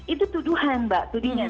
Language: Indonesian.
itu tuduhan mbak tudingan